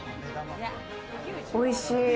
おいしい。